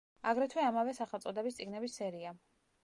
აგრეთვე ამავე სახელწოდების წიგნების სერია.